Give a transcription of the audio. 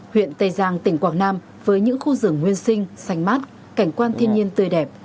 huyện tây giang tỉnh quảng nam với những khu rừng nguyên sinh xanh mát cảnh quan thiên nhiên tươi đẹp